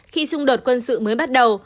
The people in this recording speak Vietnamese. khi xung đột quân sự mới bắt đầu